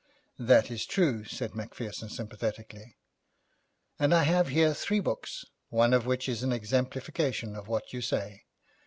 'That is true,' said Macpherson sympathetically, 'and I have here three books, one of which is an exemplification of what you say.